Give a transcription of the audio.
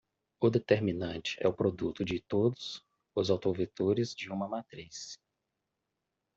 O determinante é o produto de todos os autovetores de uma matriz.